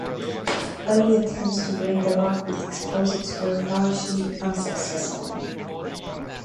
Early attempts to break the rock with explosives were largely unsuccessful.